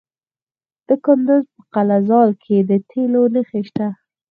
د کندز په قلعه ذال کې د تیلو نښې شته.